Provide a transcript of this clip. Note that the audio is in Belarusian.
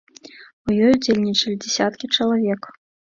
У ёй удзельнічалі дзясяткі чалавек.